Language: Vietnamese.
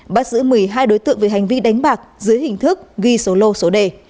bắt giữ một mươi hai đối tượng về hành vi đánh bạc dưới hình thức ghi số lô số đề